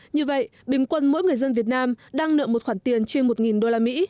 như vậy bình quân mỗi người dân việt nam đang nợ một khoản tiền trên một usd